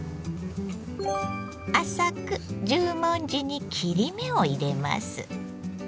浅く十文字に切り目を入れます。